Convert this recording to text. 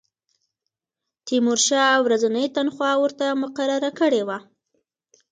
تیمورشاه ورځنۍ تنخوا ورته مقرره کړې وه.